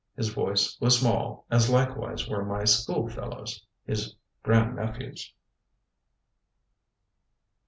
His voice was small, as likewise were my schoolfellowes, his gr. nephews."